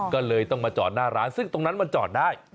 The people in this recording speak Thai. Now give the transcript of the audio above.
ก็เลยต้องมาจอดหน้าร้านซึ่งตรงนั้นมันจอดได้